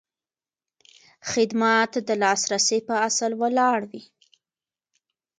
خدمت د لاسرسي په اصل ولاړ وي.